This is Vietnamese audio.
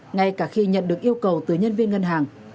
ngay cả khi nhận được yêu cầu từ nhân viên ngân hàng